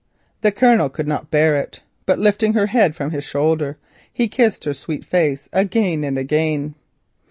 The Colonel could not bear it, but lifting her head from his shoulder, he kissed her sweet face again and again.